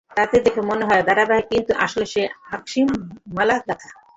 তাকে দেখে মনে হয় ধারাবাহিক, কিন্তু আসলে সে আকস্মিকের মালা গাঁথা।